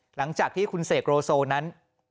หลังจากที่คุณเสกโลโซนั้น